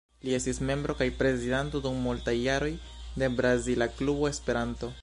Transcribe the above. Li estis membro kaj prezidanto, dum multaj jaroj, de Brazila Klubo Esperanto.